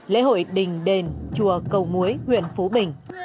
lễ hội đình đền chùa cầu muối huyện phú bình